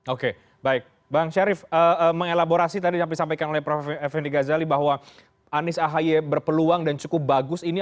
oke baik bang syarif mengelaborasi tadi yang disampaikan oleh prof effendi ghazali bahwa anies ahy berpeluang dan cukup bagus ini